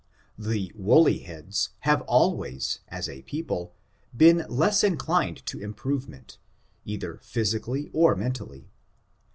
The woolly heads have always, as a peo ple, been less inclined to improvement, either physic cally or mentally.